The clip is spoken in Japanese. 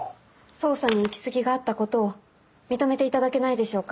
捜査に行き過ぎがあったことを認めていただけないでしょうか？